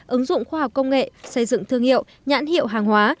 ứng dụng khoa học công nghệ xây dựng thương hiệu nhãn hiệu hàng hóa